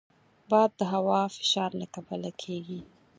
باد د هوا فشار له کبله کېږي